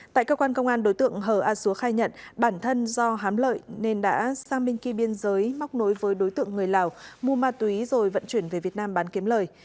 tại cơ quan công an đối tượng hờ a xúa khai nhận bản thân do hám lợi nên đã sang bên kia biên giới móc nối với đối tượng người lào mua ma túy rồi vận chuyển về việt nam bán kiếm lời